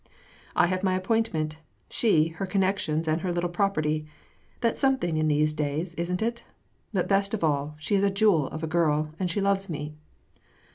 I have my appointment; she, her connections and her little property. Tnat's something in these days, isn't it ? But, best of all, she is a jewel of a girl, and she loves me."